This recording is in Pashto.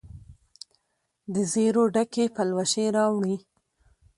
دزیرو ډکي پلوشې راوړي